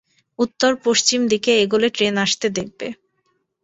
উত্তর-পশ্চিম দিকে এগোলে, ট্রেন আসতে দেখবে।